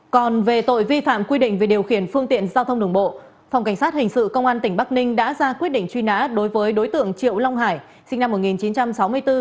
còn về tội vi phạm quy định về điều khiển phương tiện giao thông đường bộ phòng cảnh sát hình sự công an tỉnh bắc ninh đã ra quyết định truy nã đối với đối tượng triệu long hải sinh năm một nghìn chín trăm sáu mươi bốn